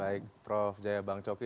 baik prof jaya bang coki